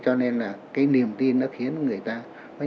cho nên là cái niềm tin khiến người ta rất là tâm linh